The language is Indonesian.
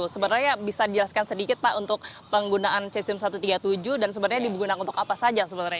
sebenarnya bisa dijelaskan sedikit pak untuk penggunaan cesium satu ratus tiga puluh tujuh dan sebenarnya digunakan untuk apa saja sebenarnya